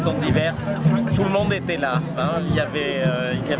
semua orang ada di sana